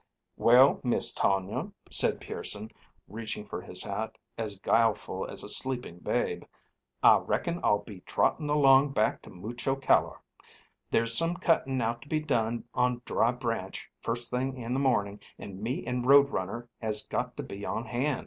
"Well, Miss Tonia," said Pearson, reaching for his hat, as guileful as a sleeping babe. "I reckon I'll be trotting along back to Mucho Calor. There's some cutting out to be done on Dry Branch first thing in the morning; and me and Road Runner has got to be on hand.